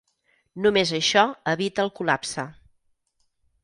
Només això evita el col·lapse.